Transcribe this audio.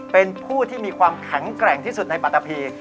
เป็นผู้ที่มีความแข็งแกร่งที่สุดในปัตตาพี